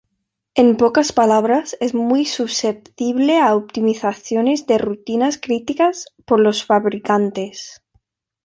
En pocas palabras, es muy susceptible a optimizaciones de rutinas críticas por los fabricantes.